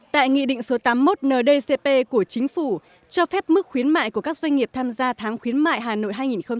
tại nghị định số tám mươi một ndcp của chính phủ cho phép mức khuyến mại của các doanh nghiệp tham gia tháng khuyến mại hà nội hai nghìn hai mươi